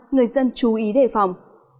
người dân chú ý đề phòng